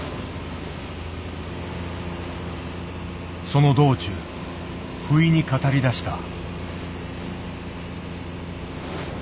その道中不意に語りだした。